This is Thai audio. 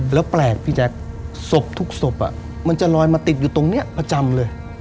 แล้วแปลกพี่แจ๊คศพทุกศพมันจะลอยมาติดอยู่ตรงนี้ประจำเลย